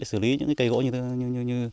xử lý những cây gỗ như